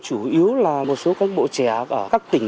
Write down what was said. chủ yếu là một số cán bộ trẻ ở các tỉnh